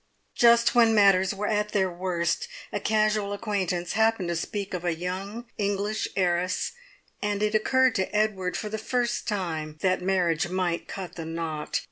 just when matters were at their worst, a casual acquaintance happened to speak of a young English heiress, and it occurred to Edward for the first time that marriage might cut the knot.